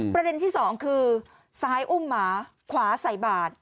ประเด็นที่สองคือซ้ายอุ้มหมาขวาใส่บาท